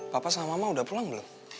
papa sama mama udah pulang belum